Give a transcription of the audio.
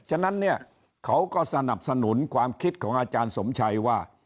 ฉะนั้นเนี่ยเขาก็สนับสนุนความคิดของอาจารย์สมชัยว่า